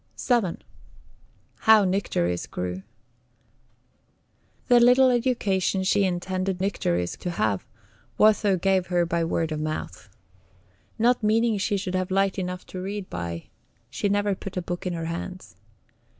VII. HOW NYCTERIS GREW. The little education she intended Nycteris to have, Watho gave her by word of mouth. Not meaning she should have light enough to read by, she never put a book in her hands.